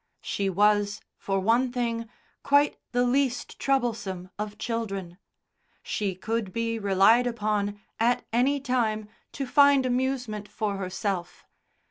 She was, for one thing, quite the least troublesome of children. She could be relied upon, at any time, to find amusement for herself.